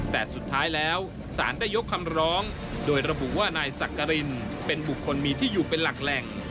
แต่สุดท้ายแล้วสารได้ยกคำร้องโดยระบุว่านายสักกรินเป็นบุคคลมีที่อยู่เป็นหลักแหล่ง